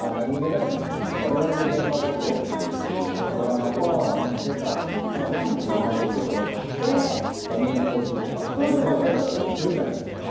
われわれの現場だとドラマとかカフェカーが現場に来てくださってみんなコーヒーとか飲み放題になるじゃないですか。